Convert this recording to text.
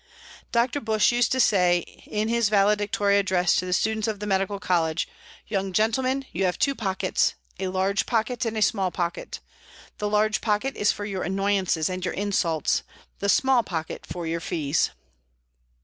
Dr. Bush used to say in his valedictory address to the students of the medical college, "Young gentlemen, you have two pockets: a large pocket and a small pocket. The large pocket is for your annoyances and your insults, the small pocket for your fees."